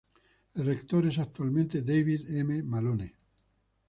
El rector es actualmente David M. Malone.